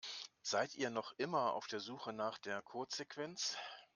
Seid ihr noch immer auf der Suche nach der Codesequenz?